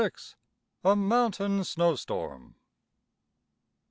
A Mountain Snowstorm.